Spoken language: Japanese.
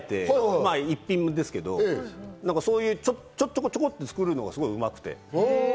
まぁ一品ですけど、そういう、ちょこっと作るのがすごくうまくて。